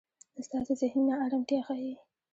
ستاسې زهني نا ارمتیا ښي.